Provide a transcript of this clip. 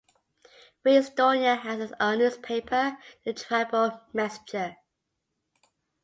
Frestonia had its own newspaper "The Tribal Messenger".